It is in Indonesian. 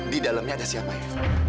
di dalamnya ada siapa ya